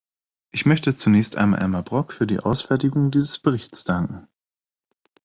Ich möchte zunächst einmal Elmar Brok für die Ausfertigung dieses Berichts danken.